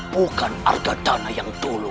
bukan harga tanah yang dulu